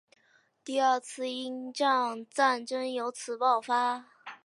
第二次英藏战争由此爆发。